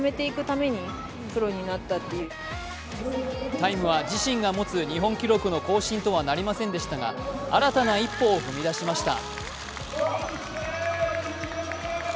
タイムは自身が持つ日本記録の更新とはなりませんでしたが、新たな一歩を踏み出しました。